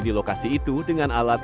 di lokasi itu dengan alat